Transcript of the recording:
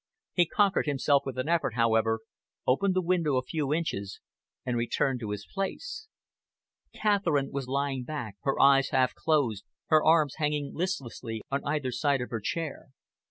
He conquered himself with an effort, however, opened the window a few inches, and returned to his place. Catherine was lying back, her eyes half closed, her arms hanging listlessly on either side of her chair.